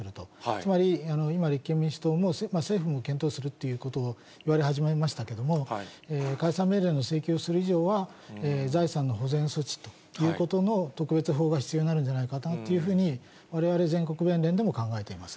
つまり、今、立憲民主党も、政府も検討するっていうことを言われ始めましたけども、解散命令を請求する以上は、財産の保全措置ということの特別法が必要になるんじゃないかなというふうに、われわれ全国弁連でも考えています。